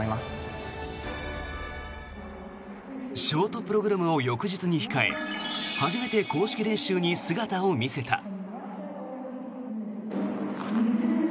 ショートプログラムを翌日に控え初めて公式練習に姿を見せた。